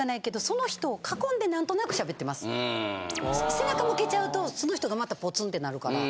背中向けちゃうとその人がまたポツンってなるから。